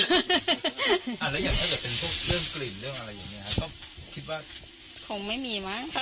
ใช่ตรงตรงเนี้ยเราอยู่ใกล้เนี้ยเราเราเรา